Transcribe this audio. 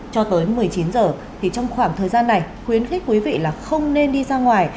cho tới một mươi chín giờ thì trong khoảng thời gian này khuyến khích quý vị là không nên đi ra ngoài